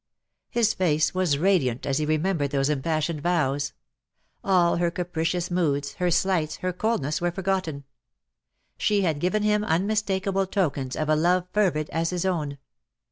His face was radiant as he remembered those impassioned vows. All her capricious moods, her slights, her coldness were forgotten. She had given him unmistakable tokens of a love fervid as his own.